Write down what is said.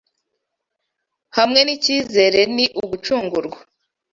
Hamwe n'icyizere ni ugucungurwa